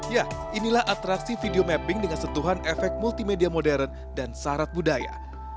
ya inilah atraksi video mapping dengan sentuhan efek multimedia modern dan syarat budaya